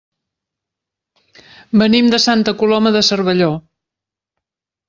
Venim de Santa Coloma de Cervelló.